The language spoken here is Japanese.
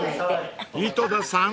［井戸田さん